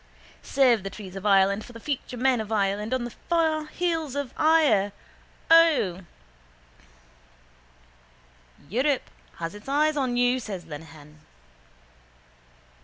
Save the trees of Ireland for the future men of Ireland on the fair hills of Eire, O. —Europe has its eyes on you, says Lenehan.